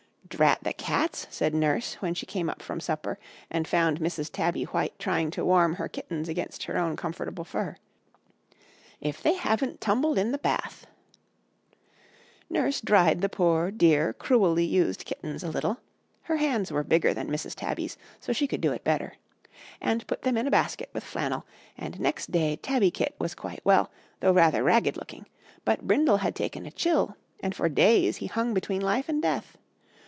"'Drat the cats!' said Nurse, when she came up from supper, and found Mrs. Tabby White trying to warm her kittens against her own comfortable fur; 'if they haven't tumbled in the bath!' "Nurse dried the poor, dear, cruelly used kittens a little (her hands were bigger than Mrs. Tabby's, so she could do it better), and put them in a basket with flannel, and next day Tabby Kit was quite well, though rather ragged looking; but Brindle had taken a chill, and for days he hung between life and death.